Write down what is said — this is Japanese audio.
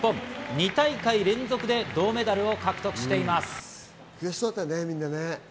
２大会連続で銅メダルを獲得しています。